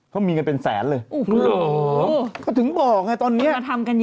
เขามีเงินเป็นแสนเลย